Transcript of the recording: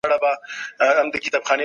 پوهه د انسان مقام لوړوي.